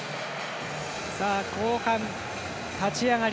後半、立ち上がり。